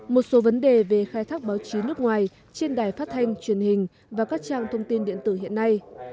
một số vấn đề về khai thác báo chí nước ngoài trên đài phát thanh truyền hình và các trang thông tin điện tử hiện nay